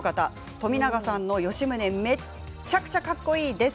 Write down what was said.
冨永さんの吉宗めちゃくちゃかっこいいです。